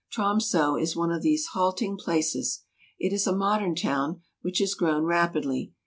Tromso is one of these halting places : it is a modern town, which has grown rapidly.